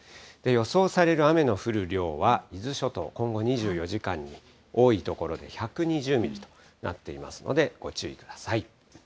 予想される雨の降る量は、伊豆諸島、今後２４時間に多い所で１２０ミリとなっていますので、ご注意ください。